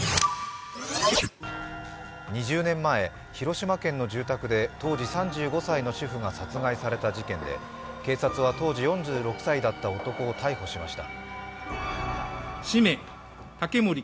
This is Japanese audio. ２０年前、広島県の住宅で当時３５歳の主婦が殺害された事件で警察は当時４６歳だった男を逮捕しました。